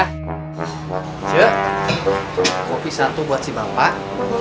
oh ya kopi satu buat si bapak